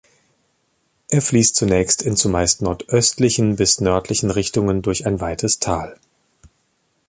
Er fließt zunächst in zumeist nordöstlichen bis nördlichen Richtungen durch ein weites Tal.